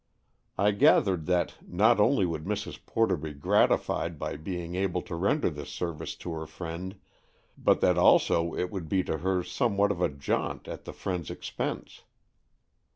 I gathered that, not only would Mrs. Porter be gratified by being able to render this service to her friend, but that also it would be to her somewhat of a jaunt at the friend's expense.